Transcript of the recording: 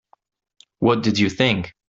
What did you think?